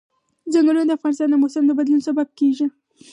چنګلونه د افغانستان د موسم د بدلون سبب کېږي.